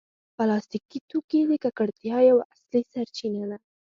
پلاستيکي توکي د ککړتیا یوه اصلي سرچینه ده.